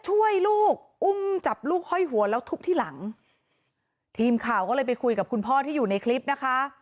ช่วยลูกอุ้มจับลูกห้อยหัวแล้วทุบที่หลังทีมข่าวก็เลยไปคุยกับคุณพ่อที่อยู่ในคลิปนะคะ